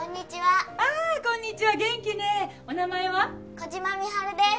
小島美晴です。